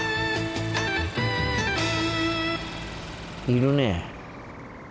いるね。